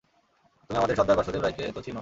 তুমি আমাদের সর্দার বাসুদেব রাইকে তো চিনো?